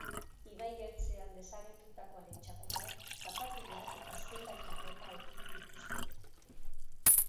Ibaiertzean desagertutakoaren txakurrak, zapatilak eta zenbait arropa aurkitu dituzte.